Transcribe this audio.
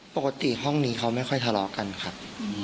ปกติห้องนี้เขาไม่ค่อยทะเลาะกันครับ